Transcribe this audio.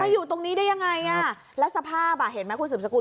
ถ้าอยู่ตรงนี้ได้อย่างไรอ่ะแล้วสภาพเห็นไหมคุณสุดสกุล